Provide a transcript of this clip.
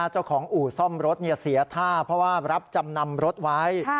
เจ้าของอู่ซ่อมรถเสียท่าเพราะว่ารับจำนำรถไว้